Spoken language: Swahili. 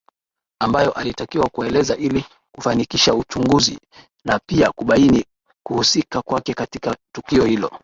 ambayo alitakiwa kueleza ili kufanikisha uchunguzi na pia kubaini kuhusika kwake katika tukio hilo